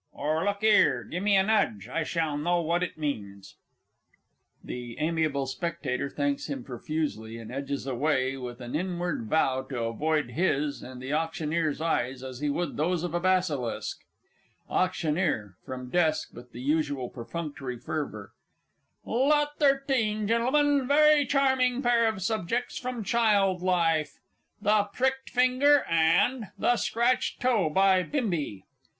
Or look 'ere, gimme a nudge I shall know what it means. [The A. S. thanks him profusely, and edges away with an inward vow to avoid his and the AUCTIONEER'S eyes, as he would those of a basilisk. AUCTIONEER (from desk, with the usual perfunctory fervour). Lot 13, Gentlemen, very charming pair of subjects from child life "The Pricked Finger" and "The Scratched Toe" by Bimbi.